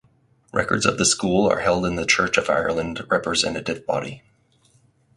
Records of the school are held in the Church of Ireland Representative Body.